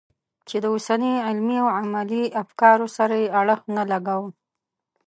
چې د اوسني علمي او عملي افکارو سره یې اړخ نه لګاوه.